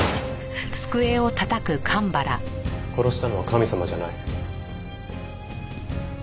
殺したのは神様じゃない。